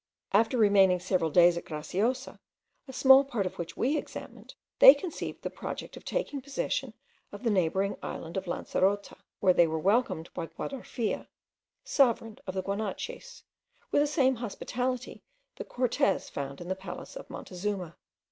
After remaining several days at Graciosa, a small part of which we examined, they conceived the project of taking possession of the neighbouring island of Lancerota, where they were welcomed by Guadarfia, sovereign of the Guanches, with the same hospitality that Cortez found in the palace of Montezuma.